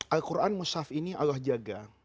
al quran mus'haf ini allah jaga